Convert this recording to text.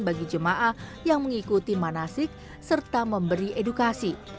bagi jemaah yang mengikuti manasik serta memberi edukasi